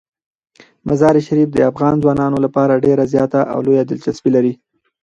مزارشریف د افغان ځوانانو لپاره ډیره زیاته او لویه دلچسپي لري.